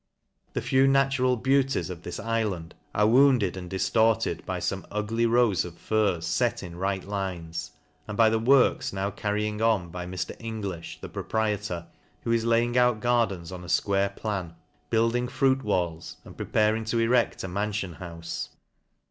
The few natural.beauties of this O 6 iflani 300 LANCA8H KRAEJ iiTa'nd are wounded' and diftorted by 'fon?3~tigly rows of firs fet in right lines, and by the works now car rying on by Mr, Englljh^ the proprietor, who is laying out gardens on a fquare plan, building fruit walls, and preparing to erecr. a manfion houfe.